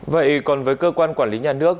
vậy còn với cơ quan quản lý nhà nước